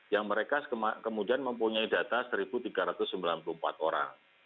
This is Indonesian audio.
yang mereka kemudian mempunyai data satu tiga ratus sembilan puluh empat orang